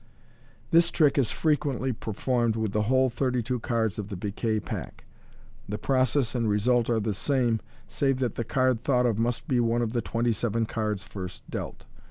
This trick is frequently performed with the whole thirty two cards of the piquet pack. The process and result are the same, save that the card thought of must be one of the twenty seven cards first dealt.